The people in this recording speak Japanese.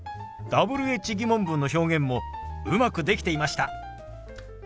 Ｗｈ−疑問文の表現もうまくできていました。